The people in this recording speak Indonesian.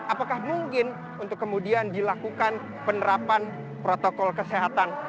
apakah mungkin untuk kemudian dilakukan penerapan protokol kesehatan